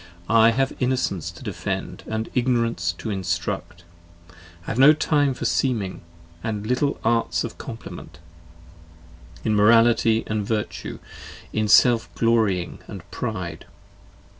I have innocence to defend and ignorance to instruct: I have no time for seeming, and little arts of compliment, In morality and virtue: in self glorying and pride.